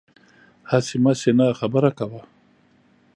هسې مسې نه، خبره کوه